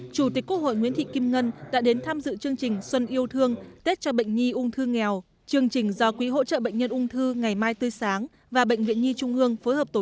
chủ tịch quốc hội nguyễn thị kim ngân đã đến tham dự chương trình xuân yêu thương